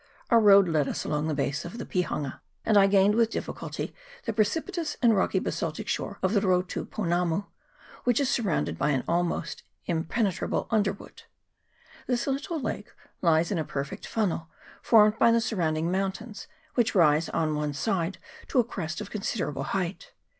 Our road led us along the base of the Pihanga, and I gained with difficulty the precipitous 360 NATIVES NEAR [PART II, and rocky basaltic shore of the Rotu Ponamu, which is surrounded by almost impenetrable underwood. This little lake lies in a perfect funnel, formed by the surrounding mountains, which rise on one side to a crest of considerable height.